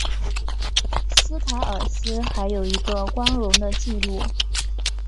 斯凯尔斯还有一个光荣的记录。